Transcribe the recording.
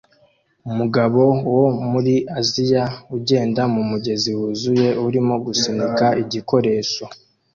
Umugabo wo muri Aziya ugenda mumugezi wuzuye urimo gusunika igikoresho